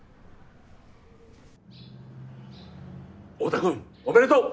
太田君おめでとう！